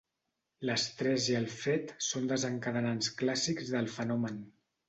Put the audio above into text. L'estrès i el fred són desencadenants clàssics del fenomen.